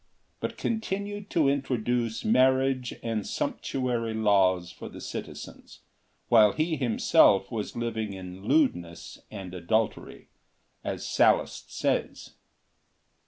2 5 but continued to introduce marriage and sumptuary laws for the citizens, while he himself was living in lewdness and adultery, as Sallust says.